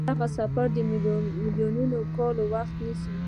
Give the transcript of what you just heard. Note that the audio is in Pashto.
دغه سفر میلیونونه کاله وخت ونیو.